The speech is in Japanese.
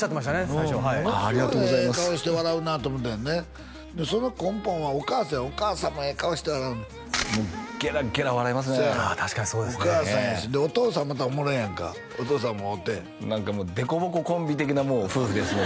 最初ものすごいええ顔して笑うなと思ったんよねでその根本はお母さんやお母さんもええ顔して笑うねんもうゲラゲラ笑いますねせやろお母さんもやしでお父さんまたおもろいやんかお父さんも会うて何かもう凸凹コンビ的な夫婦ですね